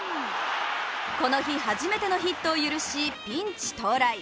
この日、初めてのヒットを許し、ピンチ到来。